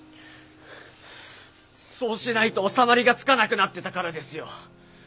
そうしないと収まりがつかなくなってたからですよ！